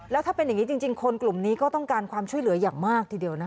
แล้วถ้าเป็นอย่างนี้จริงคนกลุ่มนี้ก็ต้องการความช่วยเหลืออย่างมากทีเดียวนะคะ